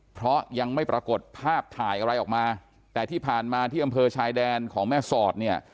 เพราะยังไม่ปรากฏภาพถ่ายอะไรออกมาแต่ที่ผ่านมาที่อำเภอชายแดนของแม่สอดเนี่ย